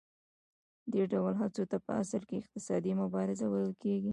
دې ډول هڅو ته په اصل کې اقتصادي مبارزه ویل کېږي